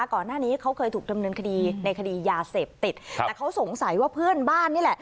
ก่อนหน้านี้เขาเคยถูกดำเนินคดีในคดียาเสพติดแต่เขาสงสัยว่าเพื่อนบ้านนี่แหละ